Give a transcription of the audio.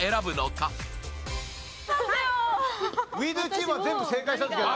チームは全部正解したんですけど。